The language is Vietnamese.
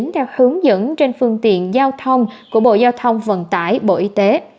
theo hướng dẫn trên phương tiện giao thông của bộ giao thông vận tải bộ y tế